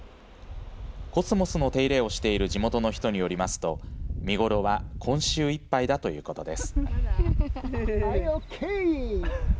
コスモスの手入れをしている地元の人によりますと見頃は今週いっぱいだということです。